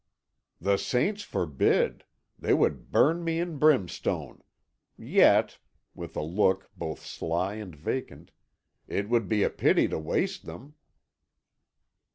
"The saints forbid! They would burn me in brimstone. Yet," with a look both sly and vacant, "it would be a pity to waste them."